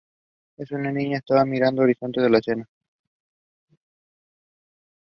Una niña está mirando aterrorizada la escena.